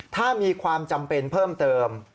ถ้ามีความจำเป็นเพิ่มเติม